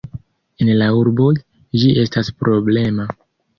En la urboj, ĝi estas problema.